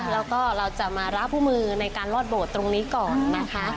แล้วก็เราจะมารับผู้มือในการลอดโบสถ์ตรงนี้ก่อนนะคะ